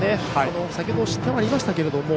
先ほど失点がありましたけど